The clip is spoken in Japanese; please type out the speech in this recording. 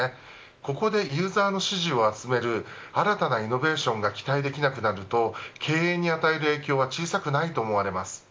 ここでユーザーの支持を集める新たなイノベーションが期待できなくなると経営に与える影響は小さくないと思われます。